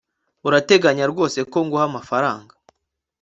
Urateganya rwose ko nguha amafaranga